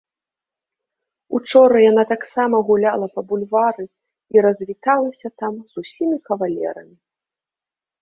Учора яна таксама гуляла па бульвары і развіталася там з усімі кавалерамі.